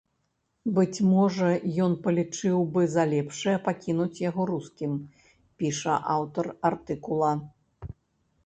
Быць можа, ён палічыў бы за лепшае пакінуць яго рускім, піша аўтар артыкула.